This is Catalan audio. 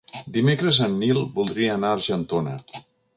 Dimecres en Nil voldria anar a Argentona.